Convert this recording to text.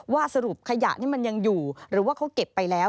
สรุปขยะนี่มันยังอยู่หรือว่าเขาเก็บไปแล้ว